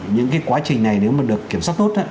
những cái quá trình này nếu mà được kiểm soát tốt